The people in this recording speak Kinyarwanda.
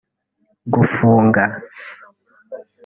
gufunga